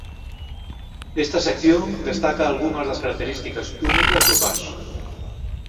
Esta sección destaca algunhas das características únicas do Bash.